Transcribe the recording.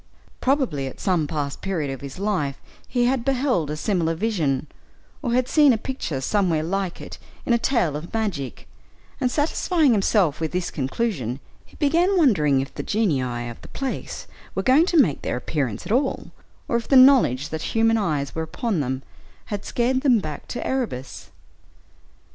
Probably at some past period of his life he had beheld a similar vision, or had seen a picture somewhere like it in a tale of magic, and satisfying himself with this conclusion, he began wondering if the genii of the place were going to make their appearance at all, or if the knowledge that human eyes were upon them had scared them back to Erebus.